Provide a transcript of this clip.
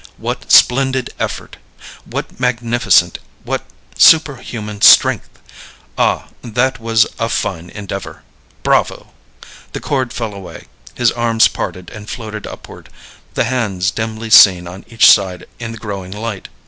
What splendid effort! what magnificent, what superhuman strength! Ah, that was a fine endeavor! Bravo! The cord fell away; his arms parted and floated upward, the hands dimly seen on each side in the growing light.